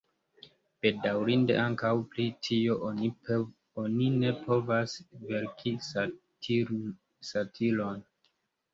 Bedaŭrinde ankaŭ pri tio oni ne povas verki satiron.